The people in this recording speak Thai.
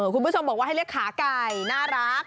คุณผู้ชมบอกว่าให้เรียกขาไก่น่ารัก